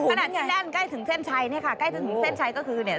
ขนาดที่แน่นใกล้ถึงเส้นชัยเนี่ยค่ะใกล้ถึงเส้นชัยก็คือเนี่ย